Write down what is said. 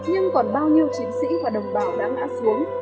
nhưng còn bao nhiêu chiến sĩ và đồng bào đã ngã xuống